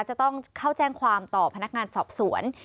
จะต้องเข้าแจ้งความต่อพนักงานสอบสวน